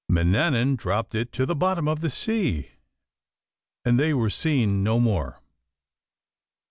Manannan dropped it to the bottom of the sea, and they were seen no more.